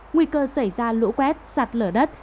nguy cơ xảy ra lỗ quét sạt lở đất